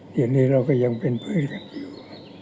เหตุนี้เราก็ยังเป็นเพื่อนกันอยู่